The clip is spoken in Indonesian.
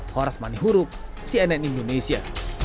horas mani huru cnn indonesia